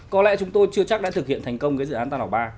có lẽ chúng tôi chưa chắc đã thực hiện thành công cái dự án tan ba